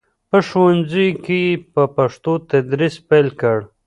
په ښوونځیو کې یې په پښتو تدریس پیل کړ.